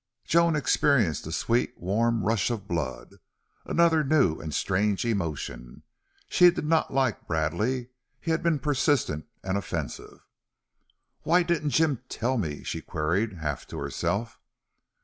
Joan experienced a sweet, warm rush of blood another new and strange emotion. She did not like Bradley. He had been persistent and offensive. "Why didn't Jim tell me?" she queried, half to herself.